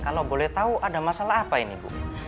kalau boleh tahu ada masalah apa ini bu